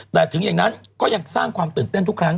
แต่ถึงอย่างนั้นก็ยังสร้างความตื่นเต้นทุกครั้ง